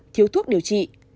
thiếu thuốc điều trị